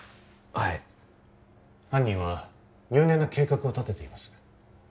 はい犯人は入念な計画を立てています